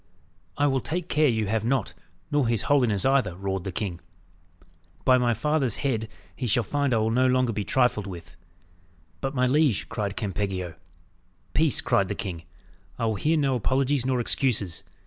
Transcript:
"I will take care you have not, nor his holiness either," roared the king. "By my father's head, he shall find I will be no longer trifled with." "But, my liege," cried Campeggio. "Peace!" cried the king. "I will hear no apologies nor excuses.